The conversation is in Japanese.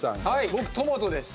僕、トマトです。